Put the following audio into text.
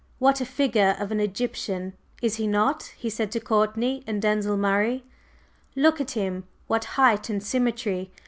"What a figure of an Egyptian, is he not!" he said to Courtney and Denzil Murray. "Look at him! What height and symmetry!